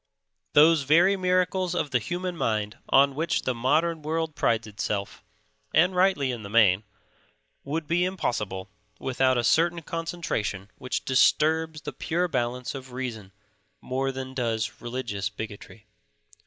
Those very miracles of the human mind on which the modern world prides itself, and rightly in the main, would be impossible without a certain concentration which disturbs the pure balance of reason more than does religious bigotry.